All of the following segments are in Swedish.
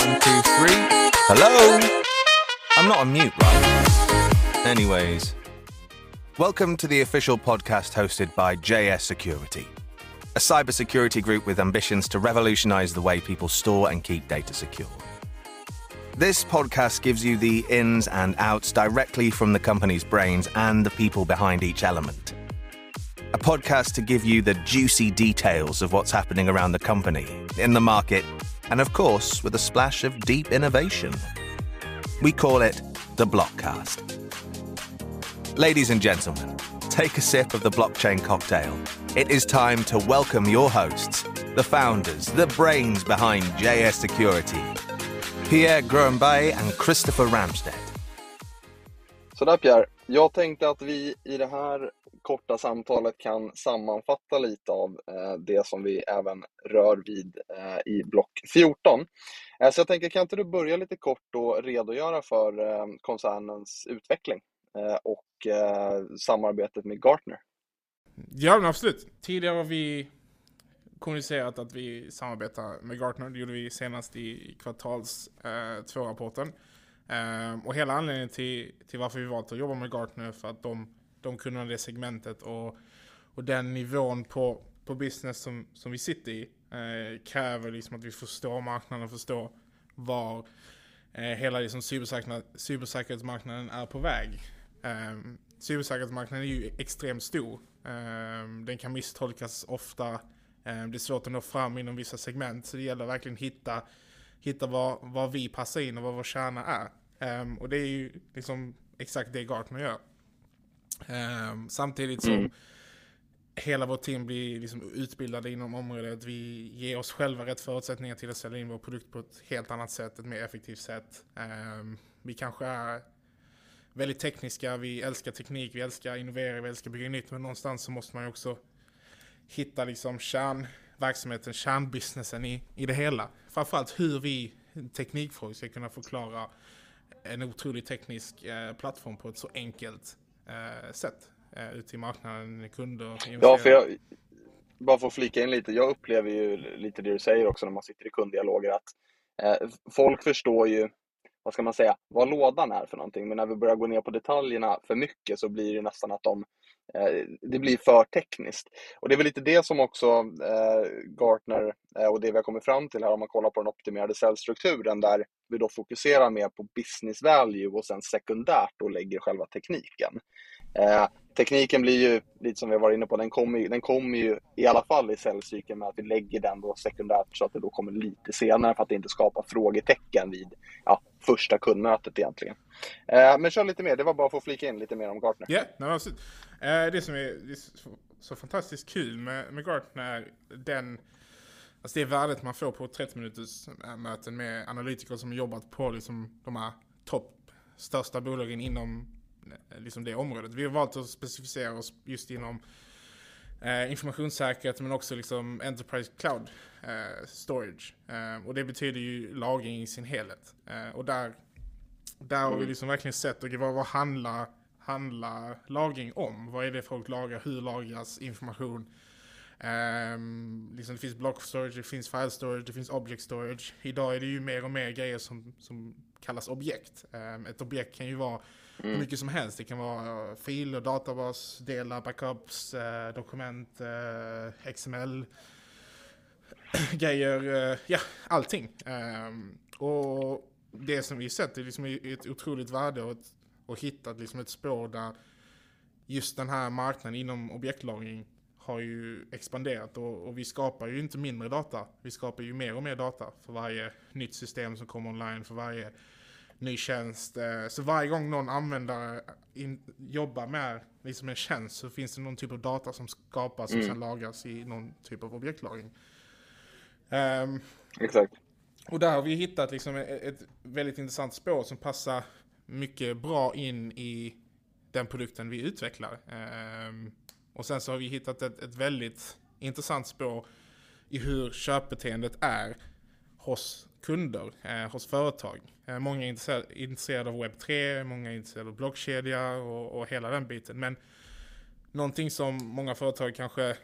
Mic check. One, two, three. Hello? I'm not on mute, right? Anyways. Welcome to the official podcast hosted by JS Security, a cybersecurity group with ambitions to revolutionize the way people store and keep data secure. This podcast gives you the ins and outs directly from the company's brains and the people behind each element. A podcast to give you the juicy details of what's happening around the company, in the market, and of course, with a splash of deep innovation. We call it the BlockCast. Ladies and gentlemen, take a sip of the blockchain cocktail. It is time to welcome your hosts, the founders, the brains behind JS Security, Pierre Grönberg and Christopher Ramstedt. Sådär Pierre, jag tänkte att vi i det här korta samtalet kan sammanfatta lite av det som vi även rör vid i Block 14. Jag tänker kan inte du börja lite kort och redogöra för koncernens utveckling, och samarbetet med Gartner? Ja, men absolut. Tidigare har vi kommunicerat att vi samarbetar med Gartner. Det gjorde vi senast i kvartal två rapporten. Hela anledningen till varför vi valt att jobba med Gartner är för att de kan det segmentet och den nivån på business som vi sitter i kräver liksom att vi förstår marknaden och förstår var hela liksom cybersäkerhetsmarknaden är på väg. Cybersäkerhetsmarknaden är ju extremt stor. Den kan misstolkas ofta. Det är svårt att nå fram inom vissa segment. Det gäller verkligen att hitta var vi passar in och var vår kärna är. Det är ju liksom exakt det Gartner gör. Samtidigt som hela vårt team blir liksom utbildade inom området. Vi ger oss själva rätt förutsättningar till att sälja in vår produkt på ett helt annat sätt, ett mer effektivt sätt. Vi kanske är väldigt tekniska, vi älskar teknik, vi älskar innovera, vi älskar bygga nytt, men någonstans så måste man också hitta liksom kärnverksamheten, kärnbusinessen i det hela. Framför allt hur vi i teknikfrågor ska kunna förklara en otrolig teknisk plattform på ett så enkelt sätt ut till marknaden, kunder, investerare. Ja, för jag bara för att flika in lite. Jag upplever ju lite det du säger också när man sitter i kunddialoger att folk förstår ju vad ska man säga vad lådan är för någonting. Men när vi börjar gå ner på detaljerna för mycket så blir det nästan att det blir för tekniskt. Det är väl lite det som också Gartner och det vi har kommit fram till här om man kollar på den optimerade säljstrukturen där vi då fokuserar mer på business value och sen sekundärt då lägger själva tekniken. Tekniska blir ju lite som vi har varit inne på den kommer ju i alla fall i säljcykeln med att vi lägger den då sekundärt så att det då kommer lite senare för att inte skapa frågetecken vid ja första kundmötet egentligen. Kör lite mer. Det var bara för att flika in lite mer om Gartner. Ja, nej men absolut. Det som är så fantastiskt kul med Gartner är den, alltså det värdet man får på 30 minuters möten med analytiker som jobbat på liksom de här topp största bolagen inom liksom det området. Vi har valt att specificera oss just inom informationssäkerhet, men också liksom enterprise cloud, storage. Och det betyder ju lagring i sin helhet. Och där har vi liksom verkligen sett, okej vad handlar lagring om? Vad är det folk lagrar? Hur lagras information? Liksom det finns block storage, det finns file storage, det finns object storage. Idag är det ju mer och mer grejer som kallas objekt. Ett objekt kan ju vara hur mycket som helst. Det kan vara filer, databas, delar, backups, dokument, XML, grejer, ja, allting. Det som vi sett är liksom ett otroligt värde och hittat liksom ett spår där just den här marknaden inom objektlagring har expanderat och vi skapar inte mindre data. Vi skapar mer och mer data för varje nytt system som kommer online, för varje ny tjänst. Varje gång någon användare jobbar med liksom en tjänst så finns det någon typ av data som skapas och sen lagras i någon typ av objektlagring. Exakt. Där har vi hittat liksom ett väldigt intressant spår som passar mycket bra in i den produkten vi utvecklar. Sen så har vi hittat ett väldigt intressant spår i hur köpbeteendet är hos kunder hos företag. Många är intresserade av Web3, många är intresserade av blockkedja och hela den biten. Något som många företag kanske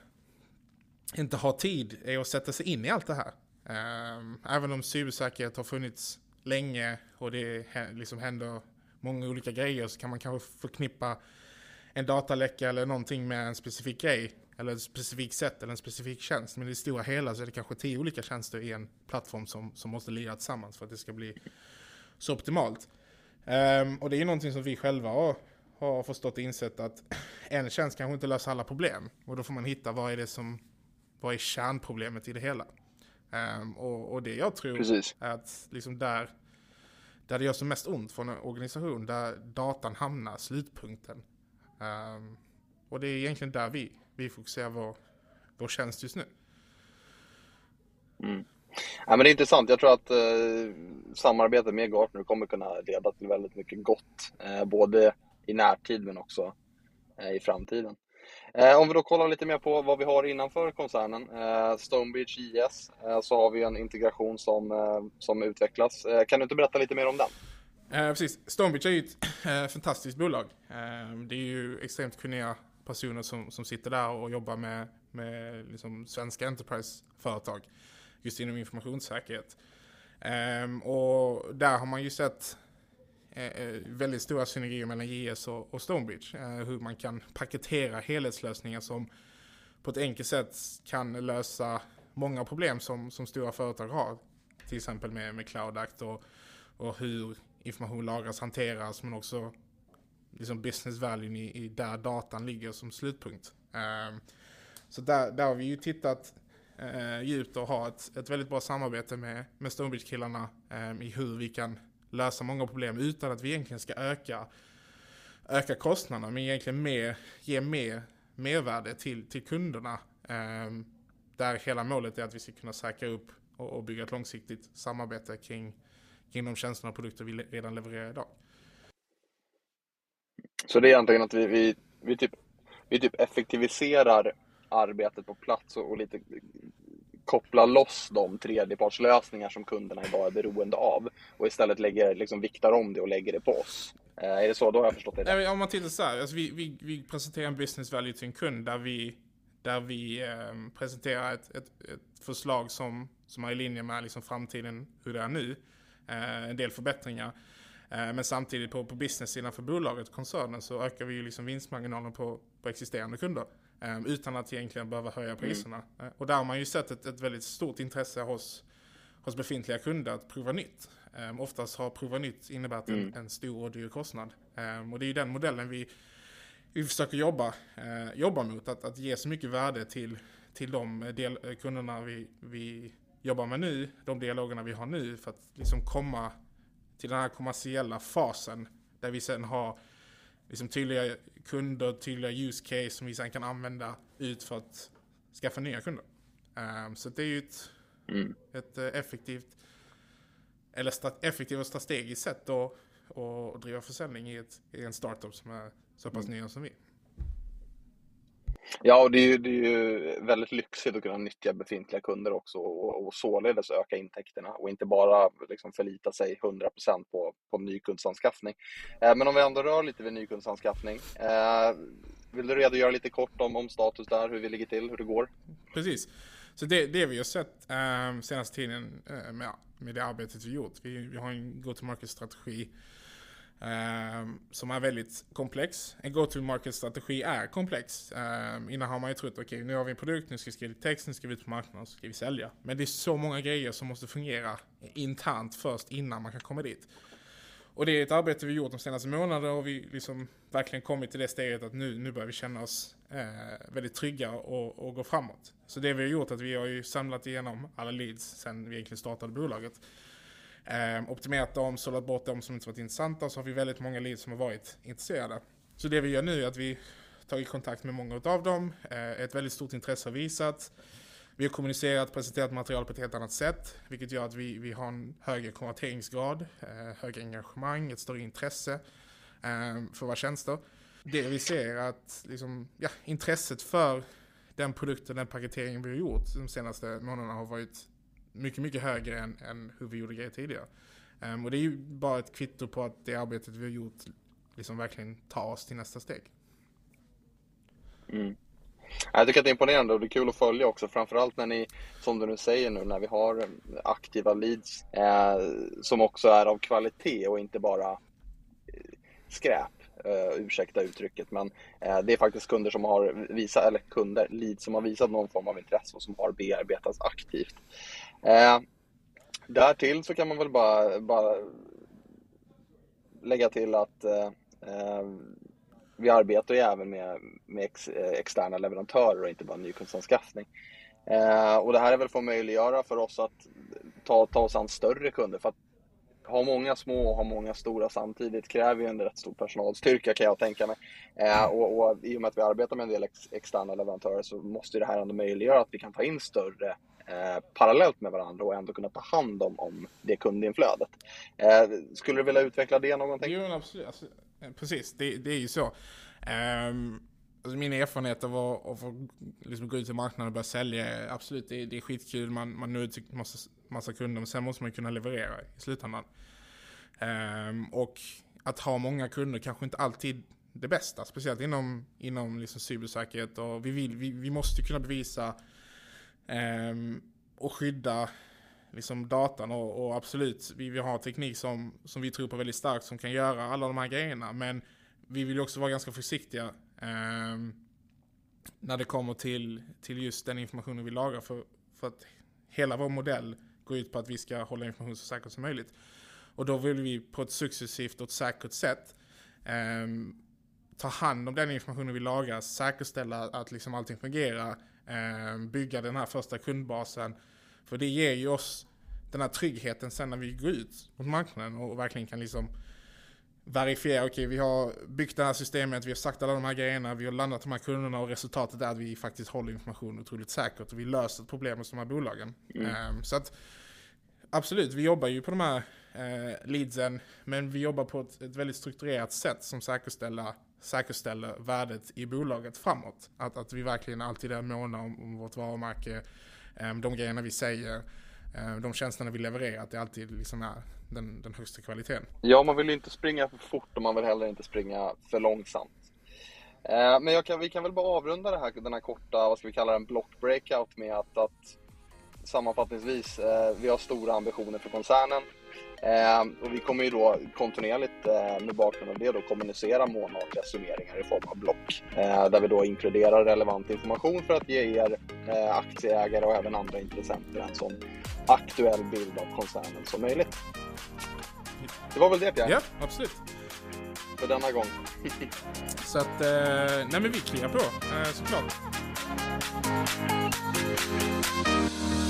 inte har tid är att sätta sig in i allt det här. Även om cybersäkerhet har funnits länge och det händer många olika grejer så kan man kanske förknippa en dataläcka eller någonting med en specifik grej eller ett specifikt sätt eller en specifik tjänst. I det stora hela så är det kanske tio olika tjänster i en plattform som måste lira tillsammans för att det ska bli så optimalt. Det är något som vi själva har förstått och insett att en tjänst kanske inte löser alla problem och då får man hitta vad kärnproblemet är i det hela. Det jag tror är att liksom där det gör som mest ont för en organisation, där datan hamnar, slutpunkten. Det är egentligen där vi fokuserar vår tjänst just nu. Nej men det är intressant. Jag tror att samarbetet med Gartner kommer kunna leda till väldigt mycket gott, både i närtid men också i framtiden. Om vi då kollar lite mer på vad vi har innanför koncernen, StoneBeach GS, så har vi en integration som utvecklas. Kan du inte berätta lite mer om den? Precis. StoneBeach är ju ett fantastiskt bolag. Det är ju extremt generösa personer som sitter där och jobbar med liksom svenska enterprise-företag just inom informationssäkerhet. Och där har man ju sett väldigt stora synergier mellan GS och StoneBeach. Hur man kan paketera helhetslösningar som på ett enkelt sätt kan lösa många problem som stora företag har, till exempel med CLOUD Act och hur information lagras, hanteras, men också liksom business value där datan ligger som slutpunkt. Så där har vi ju tittat djupt och har ett väldigt bra samarbete med StoneBeach-killarna i hur vi kan lösa många problem utan att vi egentligen ska öka kostnaden, men egentligen mer ge mer mervärde till kunderna. Där hela målet är att vi ska kunna säkra upp och bygga ett långsiktigt samarbete kring de tjänster och produkter vi redan levererar i dag. det är egentligen att vi typ effektiviserar arbetet på plats och lite kopplar loss de tredjepartslösningar som kunderna i dag är beroende av och istället lägger, liksom viktar om det och lägger det på oss. Är det så då jag har förstått det hela? Nej, om man tittar såhär. Alltså vi presenterar en business value till en kund där vi presenterar ett förslag som är i linje med liksom framtiden hur det är nu. En del förbättringar. Men samtidigt på business-sidan för bolaget och koncernen så ökar vi ju liksom vinstmarginalen på existerande kunder utan att egentligen behöva höja priserna. Där har man ju sett ett väldigt stort intresse hos befintliga kunder att prova nytt. Oftast har prova nytt inneburit en stor och dyr kostnad. Det är den modellen vi försöker jobba mot. Att ge så mycket värde till kunderna vi jobbar med nu, de dialogerna vi har nu för att liksom komma till den här kommersiella fasen där vi sedan har liksom tydliga kunder, tydliga use case som vi sen kan använda ut för att skaffa nya kunder. Det är ju ett- Mm ett effektivt och strategiskt sätt att driva försäljning i en startup som är så pass ny som vi. Ja, det är ju väldigt lyxigt att kunna nyttja befintliga kunder också och således öka intäkterna och inte bara liksom förlita sig 100% på ny kundanskaffning. Om vi ändå rör lite vid ny kundanskaffning, vill du redogöra lite kort om status där, hur vi ligger till, hur det går? Precis. Det vi har sett senaste tiden med det arbetet vi har gjort, vi har en go-to-market-strategi som är väldigt komplex. En go-to-market-strategi är komplex. Innan har man ju trott, "Okej, nu har vi en produkt, nu ska vi skriva text, nu ska vi ut på marknaden och så ska vi sälja." Det är så många grejer som måste fungera internt först innan man kan komma dit. Det är ett arbete vi har gjort de senaste månaderna och vi liksom verkligen kommit till det steget att nu börjar vi känna oss väldigt trygga och gå framåt. Det vi har gjort är att vi har ju samlat igenom alla leads sedan vi egentligen startade bolaget. Optimerat dem, sållat bort dem som inte varit intressanta. Har vi väldigt många leads som har varit intresserade. Det vi gör nu är att vi tar kontakt med många utav dem. Ett väldigt stort intresse har visat. Vi har kommunicerat, presenterat material på ett helt annat sätt, vilket gör att vi har en högre konverteringsgrad, högre engagemang, ett större intresse för våra tjänster. Det vi ser att intresset för den produkten, den paketeringen vi har gjort de senaste månaderna har varit mycket högre än hur vi gjorde grejer tidigare. Det är ju bara ett kvitto på att det arbetet vi har gjort liksom verkligen tar oss till nästa steg. Jag tycker att det är imponerande och det är kul att följa också. Framför allt när ni, som du nu säger nu, när vi har aktiva leads, som också är av kvalitet och inte bara skräp. Ursäkta uttrycket, men det är faktiskt kunder som har visat eller kunder, leads som har visat någon form av intresse och som har bearbetats aktivt. Därtill så kan man väl bara lägga till att, vi arbetar ju även med externa leverantörer och inte bara ny kundsanskaffning. Och det här är väl för att möjliggöra för oss att ta oss an större kunder. För att ha många små och ha många stora samtidigt kräver ju en rätt stor personalstyrka kan jag tänka mig. i och med att vi arbetar med en del externa leverantörer så måste det här ändå möjliggöra att vi kan ta in större parallellt med varandra och ändå kunna ta hand om det kundinflödet. Skulle du vilja utveckla det någon gång? Jo, men absolut. Alltså, precis, det är ju så. Alltså min erfarenhet av att liksom gå ut i marknaden och börja sälja, absolut, det är skitkul. Man når ut till massa kunder. Sen måste man kunna leverera i slutändan. Och att ha många kunder kanske inte alltid det bästa, speciellt inom liksom cybersäkerhet. Vi vill, vi måste kunna bevisa och skydda liksom datan. Och absolut, vi har teknik som vi tror på väldigt starkt som kan göra alla de här grejerna. Men vi vill också vara ganska försiktiga när det kommer till just den informationen vi lagrar för att hela vår modell går ut på att vi ska hålla information så säkert som möjligt. Då vill vi på ett successivt och ett säkert sätt ta hand om den informationen vi lagrar, säkerställa att allting fungerar, bygga den här första kundbasen. För det ger oss den här tryggheten sen när vi går ut på marknaden och verkligen kan verifiera: Okej, vi har byggt det här systemet, vi har sagt alla de här grejerna, vi har landat de här kunderna och resultatet är att vi faktiskt håller information otroligt säkert och vi löser problem med de här bolagen. Så att absolut, vi jobbar på de här leadsen, men vi jobbar på ett väldigt strukturerat sätt som säkerställer värdet i bolaget framåt. Vi verkligen alltid är måna om vårt varumärke, de grejerna vi säger, de tjänsterna vi levererar, att det alltid är den högsta kvaliteten. Ja, man vill ju inte springa för fort och man vill heller inte springa för långsamt. Men vi kan väl bara avrunda det här, den här korta, vad ska vi kalla den, block breakout med att sammanfattningsvis vi har stora ambitioner för koncernen. Och vi kommer ju då kontinuerligt med bakgrund av det då kommunicera månatliga summeringar i form av block, där vi då inkluderar relevant information för att ge er aktieägare och även andra intressenter en sådan aktuell bild av koncernen som möjligt. Det var väl det, Pierre? Ja, absolut. För denna gång. Vi kliver på, så klart.